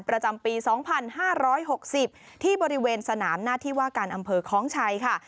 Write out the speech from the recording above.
ประจำปี๒๕๖๐ที่บริเวณสนามหน้าที่ว่าการอำเภอคล้องชัยค่ะ